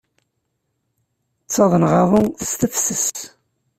Ttaḍneɣ aḍu s tefses.